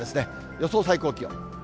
予想最高気温。